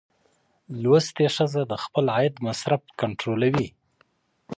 زده کړه ښځه د خپل عاید مصرف کنټرولوي.